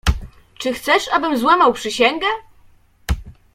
"Czy chcesz, abym złamał przysięgę?"